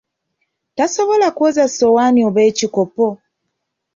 Tasobola kwoza ssowaani oba ekikopo!